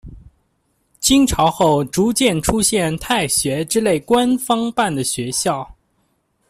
清朝后逐渐出现太学之类官方办的学校。